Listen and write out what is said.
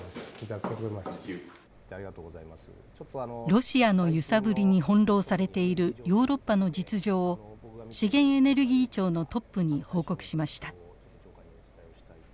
ロシアの揺さぶりに翻弄されているヨーロッパの実情を資源エネルギー庁のトップに報告しました。